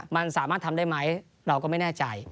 มันสามารถทำได้ไหมเราก็ไม่แน่ใจ